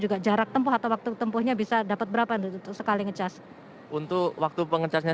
juga jarak tempuh atau waktu tempuhnya bisa dapat berapa sekali ngecas untuk waktu pengecasnya